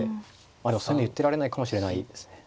でもそういうの言ってられないかもしれないですね。